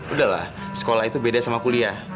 udahlah sekolah itu beda sama kuliah